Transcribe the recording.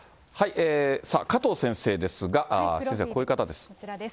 さあ、加藤先生ですが、先生はこういう方です。